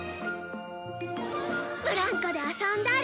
ブランコで遊んだり